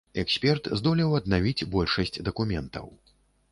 Эксперт здолеў аднавіць большасць дакументаў.